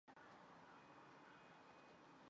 都对这幅画留下了深刻的印象